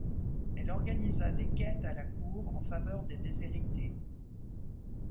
Elle organisa des quêtes à la cour en faveur des déshérités.